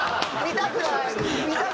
見たくない！